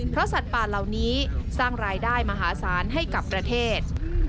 เพราะสัตว์ป่าเหล่านี้สร้างรายได้มหาศาลให้กับประเทศ